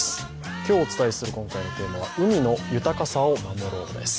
今日お伝えしている今回のテーマは「海の豊かさを守ろう」です。